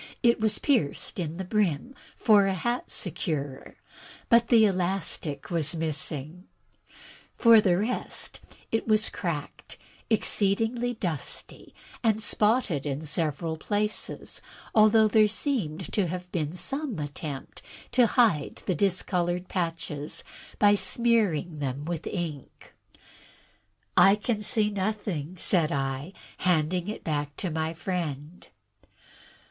It was pierced in the brim for a hat securer, but the elastic was missing. For the rest, it was cracked, exceedingly dusty, and spotted in several places, although there seemed to have been some attempt to hide the discolored patches by smearing them with ink. "I can see nothing," said I, handing it back to my friend.